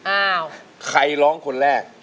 อ้าวใครร้องคนแรก